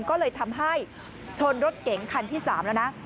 ก็เลยทำให้ชนรถเก๋งคันที่๓แล้วนะ